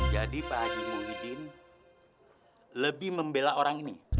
jadi pak eji muhyiddin lebih membela orang ini